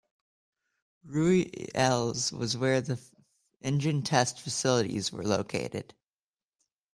Rooi Els was where the engine-test facilities were located.